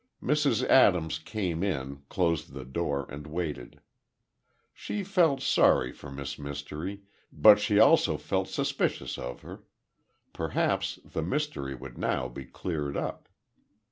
Mrs. Adams came in, closed the door and waited. She felt sorry for Miss Mystery, but she also felt suspicious of her. Perhaps the mystery would now be cleared up.